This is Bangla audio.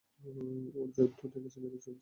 ওর জ্বর তো দেখছি বেড়েই চলেছে।